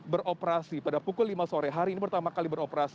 beroperasi pada pukul lima sore hari ini pertama kali beroperasi